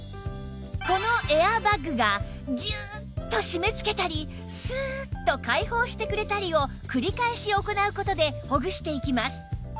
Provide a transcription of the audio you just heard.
このエアーバッグがギューッと締め付けたりスーッと解放してくれたりを繰り返し行う事でほぐしていきます